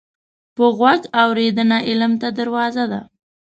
په غوږ اورېدنه علم ته دروازه ده